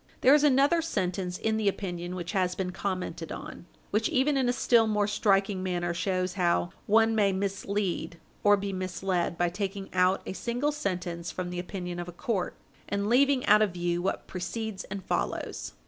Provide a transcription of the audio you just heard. There is another sentence in the opinion which has been commented on, which even in a still more striking manner shows how one may mislead or be misled by taking out a single sentence from the opinion of a court, and leaving out of view what precedes and follows.